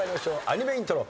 アニメイントロ。